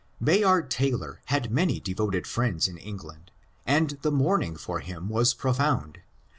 Bayard Taylor had many devoted friends in England, and the mourning for him was profound.